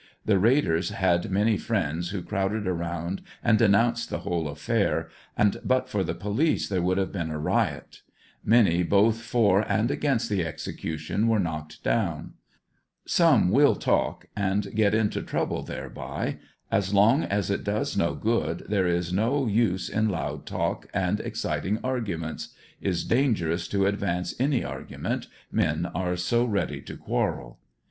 The raiders had many friends who crowded around and denounced the whole affair and but for the police there would have been a riot ; many both for and against the execution were knocked down. Some will talk and get into trouble thereby; as long as it does no good there is no use in loud talk and exciting arguments; is dangerous to advance any ar gument, men are so ready to quarrel.